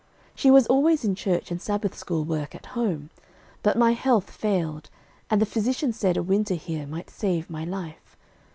"She was always in church and Sabbath school work at home. But my health failed, and the physician said a winter here might save my life.